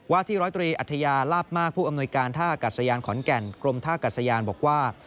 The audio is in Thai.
วาที๑๐๓อัธยาลาบมากผู้อำนวยการท่าอากาศยานขอนแก่นกรมท่าอากาศยานบอกว่า